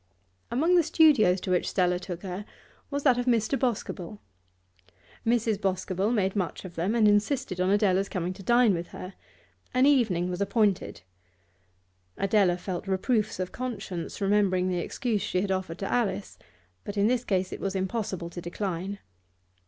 Among the studios to which Stella took her was that of Mr. Boscobel. Mrs. Boscobel made much of them, and insisted on Adela's coming to dine with her. An evening was appointed. Adela felt reproofs of conscience, remembering the excuse she had offered to Alice, but in this case it was impossible to decline.